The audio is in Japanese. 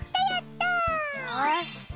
よし。